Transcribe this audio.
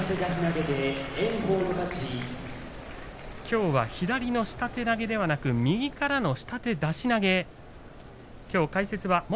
きょうは左の下手投げではなく右からの下手出し投げ。